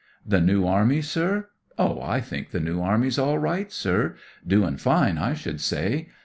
"The New Army, sir? Oh, I think the New Army's all right, sir. Doing fine, I should say.